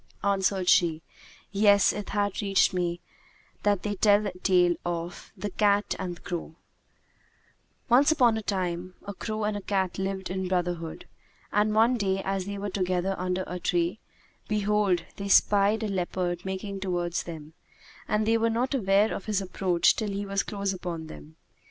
Answered she:—Yes, it hath reached me that they tell a tale of THE CAT[FN#166] AND THE CROW Once upon a time, a crow and a cat lived in brotherhood; and one day as they were together under a tree, behold, they spied a leopard making towards them, and they were not aware of his approach till he was close upon them.